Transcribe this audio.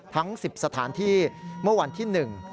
ทั้ง๑๐สถานที่เมื่อวันที่หนึ่ง